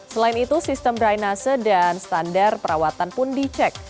selain itu sistem drainase dan standar perawatan pun dicek